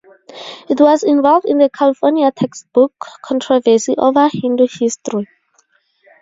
It was involved in the California textbook controversy over Hindu history.